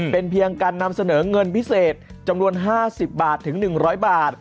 เป็นเพียงการนำเสนอเงินพิเศษจำนวน๕๐บาทถึง๑๐๐บาท